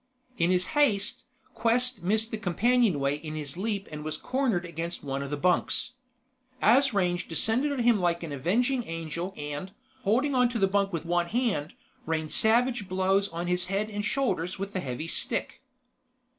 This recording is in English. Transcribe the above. In his haste, Quest missed the companionway in his leap and was cornered against one of the bunks. Asrange descended on him like an avenging angel and, holding onto the bunk with one hand, rained savage blows on his head and shoulders with the heavy stick.